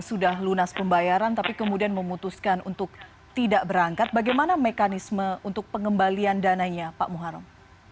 sudah lunas pembayaran tapi kemudian memutuskan untuk tidak berangkat bagaimana mekanisme untuk pengembalian dananya pak muharrem